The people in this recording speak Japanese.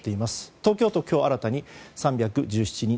東京都、今日新たに３１７人。